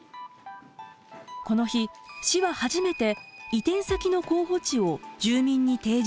この日市は初めて移転先の候補地を住民に提示しました。